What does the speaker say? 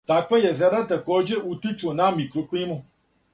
Таква језера такође утичу на микроклиму.